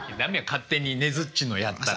勝手にねづっちのやったら。